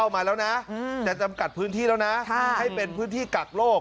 มาแล้วนะจะจำกัดพื้นที่แล้วนะให้เป็นพื้นที่กักโลก